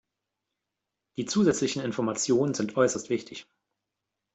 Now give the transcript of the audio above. Die zusätzlichen Informationen sind äußerst wichtig.